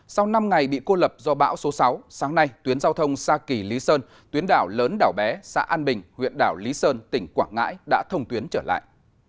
sau năm ngày bị cô lập do bão số sáu sáng nay tuyến giao thông sa kỳ lý sơn tuyến đảo lớn đảo bé xã an bình huyện đảo lý sơn tỉnh quảng ngãi đã thông tuyến trở lại